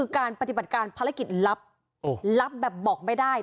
การปฏิบัติการภารกิจลับลับแบบบอกไม่ได้